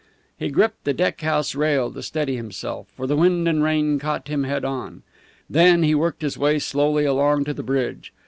He gripped the deck house rail to steady himself, for the wind and rain caught him head on. Then he worked his way slowly along to the bridge.